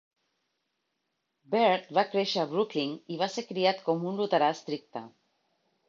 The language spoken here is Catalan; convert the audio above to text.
Baird va créixer a Brooklyn i va ser criat com un luterà estricte.